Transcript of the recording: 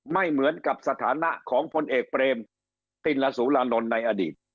ไม่เหมือนกับสถานะของพลเอกเปรมติลสุรานนท์ในอดีต